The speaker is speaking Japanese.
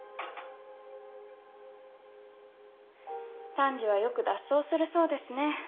タンジはよく脱走するそうですね。